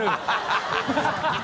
ハハハ